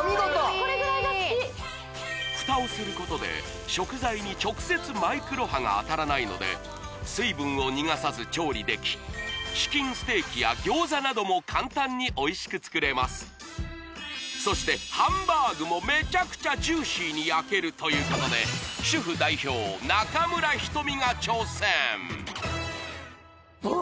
・これくらいが好き蓋をすることで食材に直接マイクロ波が当たらないので水分を逃がさず調理できチキンステーキや餃子なども簡単においしく作れますそしてハンバーグもめちゃくちゃジューシーに焼けるということで主婦代表うわ！